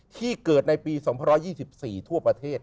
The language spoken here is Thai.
ที่เกิดในปี๒๒๔ทั่วประเทศ